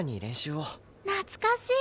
懐かしい！